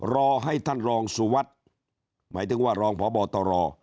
รอให้ท่านรองสุวัสดิ์หมายถึงว่ารองพบตร